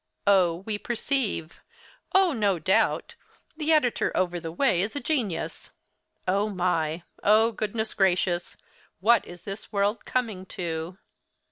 —Oh, we perceive! Oh, no doubt! The editor over the way is a genius—O, my! Oh, goodness, gracious!—what is this world coming to?